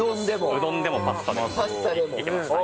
うどんでもパスタでもいけますかね。